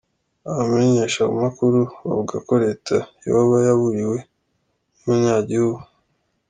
Abamenyeshamakuru bavuga ko leta yoba yaburiwe n'umunyagihugu.